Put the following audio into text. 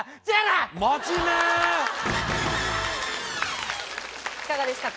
いかがでしたか？